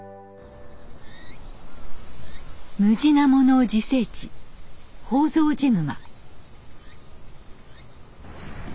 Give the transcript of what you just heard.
ムジナモの自生地宝蔵寺沼。